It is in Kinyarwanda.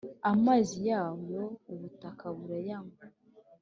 amazi yayo ubutaka burayanywa,